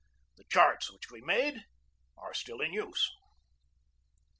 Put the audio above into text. The charts which we made are still in use.